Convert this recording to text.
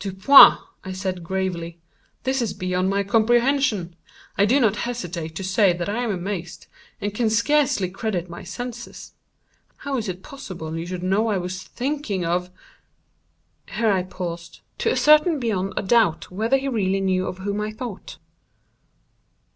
"Dupin," said I, gravely, "this is beyond my comprehension. I do not hesitate to say that I am amazed, and can scarcely credit my senses. How was it possible you should know I was thinking of ——?" Here I paused, to ascertain beyond a doubt whether he really knew of whom I thought.